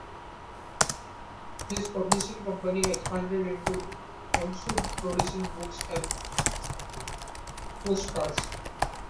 His publishing company expanded into also producing books and postcards.